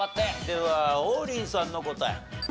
では王林さんの答え。